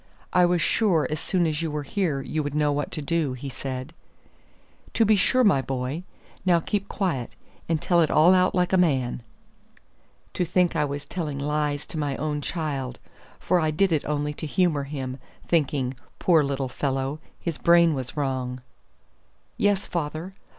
"I was sure as soon as you were here you would know what to do," he said. "To be sure, my boy. Now keep quiet, and tell it all out like a man." To think I was telling lies to my own child! for I did it only to humor him, thinking, poor little fellow, his brain was wrong. "Yes, father.